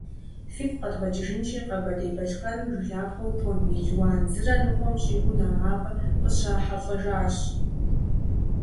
Фигу къэдгъэкӏыжынщи, Къэбэрдей-Балъкъэрым жылапхъэу тонн мелуан зырэ ныкъуэм щӏигъу нэгъабэ къыщрахьэлӏэжащ.